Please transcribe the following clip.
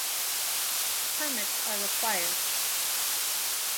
Permits are required.